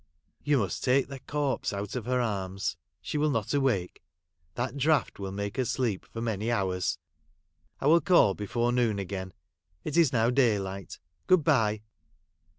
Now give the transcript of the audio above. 'You must take the corpse out of her arms; She will not awake. That draught will make her sleep for many hours. I will call before noon again. It is now daylight. Good bye.'